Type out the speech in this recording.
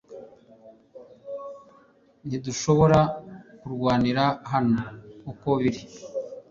Ntidushobora kurwanira hano uko biri